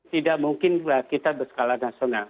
tidak mungkin kita berskala nasional